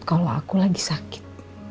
kalau aku lagi sakit